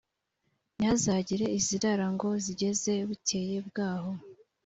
ntihazagire izirara ngo zigeze bukeye bwaho.